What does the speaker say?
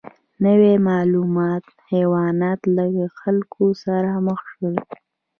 نوي نامعلومه حیوانات له خلکو سره مخ شول.